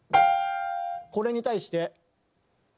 これに対して。